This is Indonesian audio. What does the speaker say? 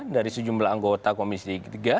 dari sejumlah anggota komisi tiga